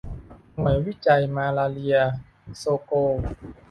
หน่วยวิจัยมาลาเรียโซโกล